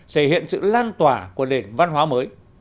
thể hiện sự lan tỏa của nền văn hóa mới